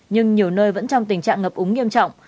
nhưng nhiều nơi vẫn trong tình trạng ngập úng nghiêm trọng